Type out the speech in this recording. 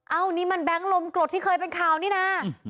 นี่มันแก๊งลมกรดที่เคยเป็นข่าวนี่นะ